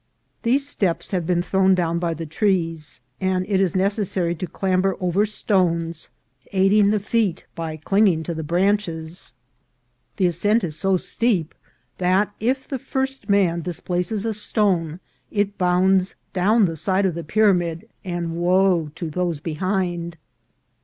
These steps have been thrown down by the trees, and it is necessary to clamber over stones, aiding the feet by clinging to the branches. The ascent is so steep, that if the first man displaces a stone it bounds down the side of the pyramid, and wo to those behind.